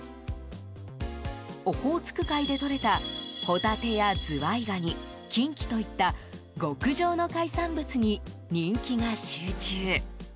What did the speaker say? オホーツク海でとれたホタテやズワイガニキンキといった極上の海産物に人気が集中。